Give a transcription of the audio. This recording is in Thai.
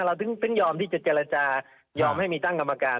เราถึงยอมที่จะเจรจายอมให้มีตั้งกรรมการ